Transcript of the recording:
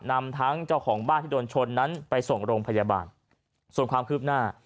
นำทั้งเจ้าของบ้านที่โดนชนนั้นไปส่งโรงพยาบาลส่วนความคืบหน้า